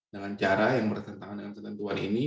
dengan cara yang bertentangan dengan ketentuan ini